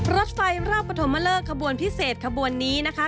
รถไฟรอบปฐมเลิกขบวนพิเศษขบวนนี้นะคะ